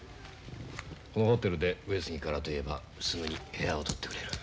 このホテルで上杉からと言えばすぐに部屋を取ってくれる。